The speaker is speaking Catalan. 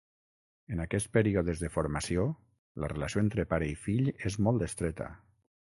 En aquests períodes de formació, la relació entre pare i fill és molt estreta.